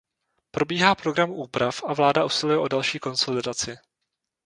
Probíhá program úprav a vláda usiluje o další konsolidaci.